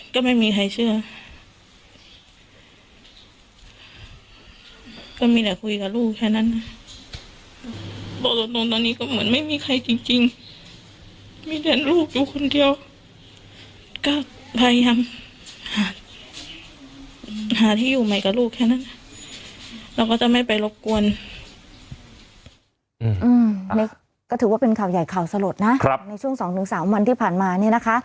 ก็ถือว่าเป็นข่าวใหญ่ข่าวสลดนะในช่วง๒๓วันที่ผ่านมาเนี่ยนะคะ